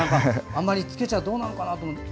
あまりつけちゃどうなのかなって。